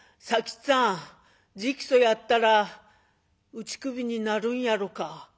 っつぁん直訴やったら打ち首になるんやろか？」。